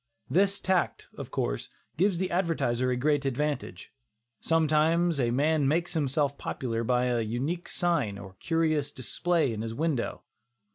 This tact, of course, gives the advertiser a great advantage. Sometimes a man makes himself popular by an unique sign or a curious display in his window.